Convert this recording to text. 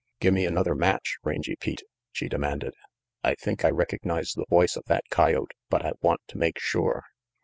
"Gimme another match, Rangy Pete," she demanded. "I think I recognize the voice of that coyote, but I want to make sure."